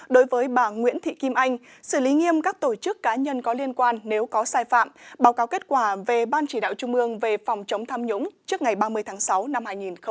đối với bà nguyễn thị kim anh xử lý nghiêm các tổ chức cá nhân có liên quan nếu có sai phạm báo cáo kết quả về ban chỉ đạo trung ương về phòng chống tham nhũng trước ngày ba mươi tháng sáu năm hai nghìn hai mươi